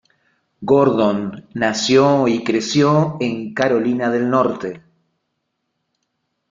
Gordon nació y creció en Carolina del Norte.